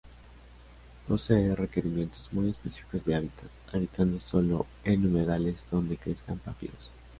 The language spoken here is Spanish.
Posee requerimientos muy específicos de hábitat, habitando solo en humedales donde crezcan papiros.